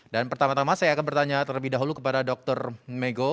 dan pertama tama saya akan bertanya terlebih dahulu kepada dr megho